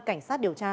cảnh sát điều tra